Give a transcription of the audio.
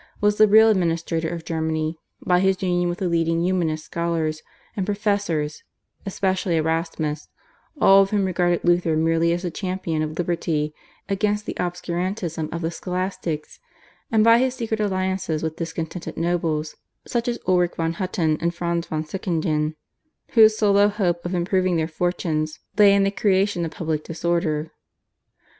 was the real administrator of Germany, by his union with the leading Humanist scholars and professors, especially Erasmus, all of whom regarded Luther merely as the champion of liberty against the obscurantism of the Scholastics, and by his secret alliances with discontented nobles, such as Ulrich von Hutten and Franz von Sickingen, whose sole hope of improving their fortunes lay in the creation of public disorder.